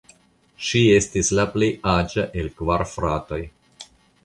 Ŝi estis la plej aĝa el kvar fratoj.